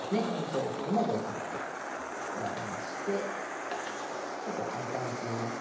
同歩にも同歩成と来られまして結構簡単に詰みます。